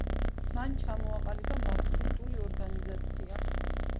მან ჩამოაყალიბა მარქსისტული ორგანიზაცია.